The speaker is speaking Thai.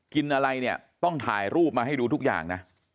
กินอะไรเนี่ยต้องถ่ายรูปมาให้ดูทุกอย่างนะ